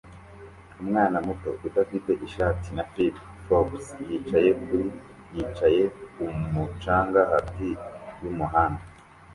Umwana muto udafite ishati na flip-flops yicaye kuri yicaye kumu canga hagati yumuhanda